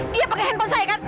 dia pakai handphone saya kan